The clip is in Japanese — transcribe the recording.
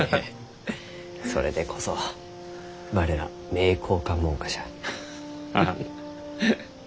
それでこそ我ら名教館門下じゃ。